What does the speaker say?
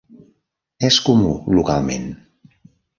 És comú localment.